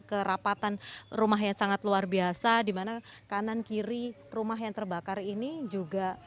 kerapatan rumah yang sangat luar biasa dimana kanan kiri rumah yang terbakar ini juga